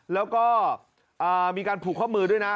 แล้วก็มีการผูกข้อมือด้วยนะ